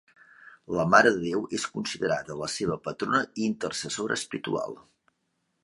La Mare de Déu és considerada la seva patrona i intercessora espiritual.